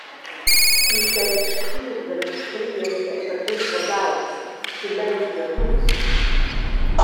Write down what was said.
Il temps stgir dallas strias ei per cletg vargaus, silmeins tier nus.